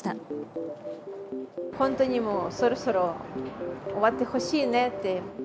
本当にもう、そろそろ終わってほしいねって。